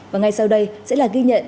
và ngay sau đây sẽ là ghi nhận